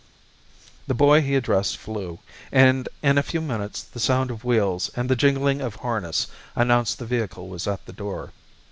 The boy he addressed flew, and in a few minutes the sound of wheels and the jingling of harness announced the vehicle was at the door.